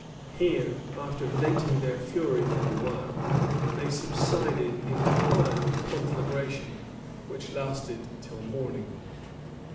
Here, after venting their fury for a while, they subsided into quiet conflagration, which lasted till morning.